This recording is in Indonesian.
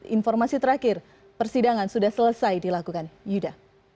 informasi terakhir persidangan sudah selesai dilakukan yuda